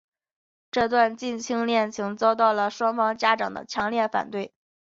这段近亲恋情遭到双方家长的强烈反对。